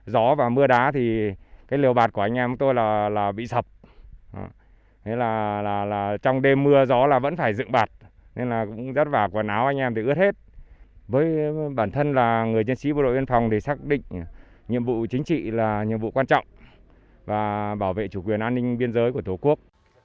với bản thân là người chiến sĩ bộ đội biên phòng để xác định nhiệm vụ chính trị là nhiệm vụ quan trọng và bảo vệ chủ quyền an ninh biên giới của tổ quốc